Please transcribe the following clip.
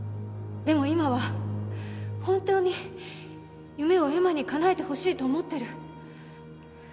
でも今は本当に夢を恵麻に叶えてほしいと思ってる。